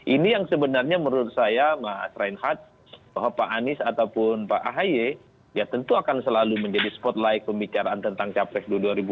ini yang sebenarnya menurut saya mas reinhardt bahwa pak anies ataupun pak ahy ya tentu akan selalu menjadi spotlight pembicaraan tentang capres dua ribu dua puluh